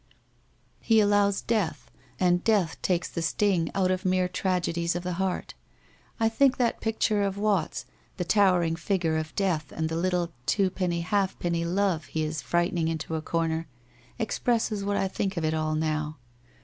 ' He allows death — and death takes the sting out of mere tragedies of the heart. I think that picture of Watts', the towering figure of Death and the little two penny halfpenney Love he is frightening into a corner, expresses what I think of it all now.